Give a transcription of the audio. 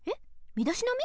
みだしなみ？